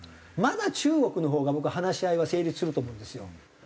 まだ中国のほうが僕は話し合いは成立すると思うんですよ。